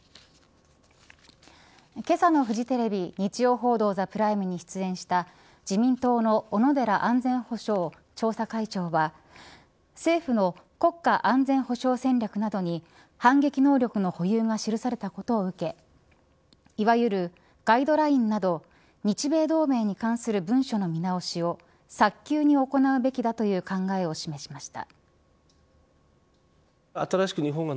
けさのフジテレビ日曜報道ＴＨＥＰＲＩＭＥに出演した自民党の小野寺安全保障調査会長は政府の国家安全保障戦略などに反撃能力の保有が記されたことを受けいわゆるガイドラインなど日米同盟に関する文書の見直しを早急に行うべきだという考えを示しました。